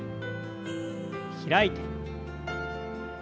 開いて。